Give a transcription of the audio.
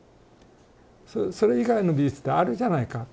それ以外の美術ってあるじゃないかと。